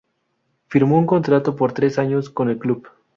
Firmó un contrato por tres años con el club.